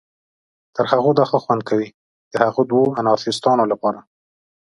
تر هغو دا ښه خوند کوي، د هغه دوو انارشیستانو لپاره.